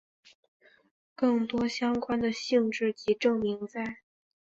更多相关的性质及证明在。